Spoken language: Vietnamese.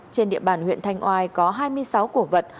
trên địa bàn huyện thanh oai có hai mươi sáu cổ vật